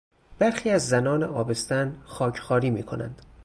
برخی از زنان آبستن خاکخواری میکنند.